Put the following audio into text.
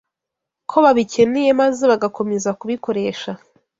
ko babikeneye, maze bagakomeza kubikoresha